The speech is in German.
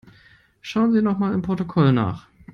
Schauen Sie nochmal im Protokoll nach.